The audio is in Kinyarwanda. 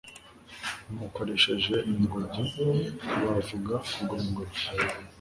bamukoshereje ingobyi ntibavuga kugura ingobyi